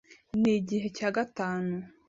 Ni igihe cya gatanu?